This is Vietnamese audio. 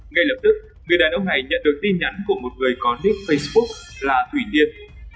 ngay lập tức người đàn ông này nhận được tin nhắn của một người có nip facebook là thủy niên